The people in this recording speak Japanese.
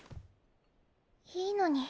いいのに。